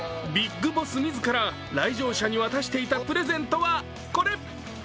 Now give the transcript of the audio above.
前、ＢＩＧＢＯＳＳ自ら来場者に渡していたプレゼントはこれ。